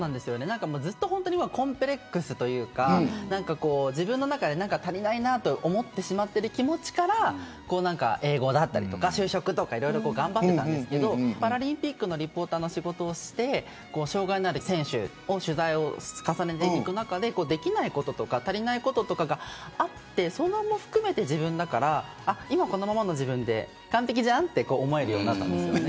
ずっとコンプレックスというか自分の中で何か足りないなと思ってしまっている気持ちから英語だったり、就職だったり頑張っていたんですがパラリンピックのリポーターの仕事をして障害のある選手の取材を重ねていく中でできないこととか足りないこととかがあってそれも含めて自分だから今、このままの自分で完璧じゃんって思えるようになったんです。